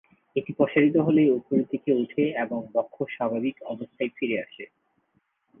এটি প্রসারিত হলে উপরের দিকে উঠে এবং বক্ষ স্বাভাবিক অবস্থায় ফিরে আসে।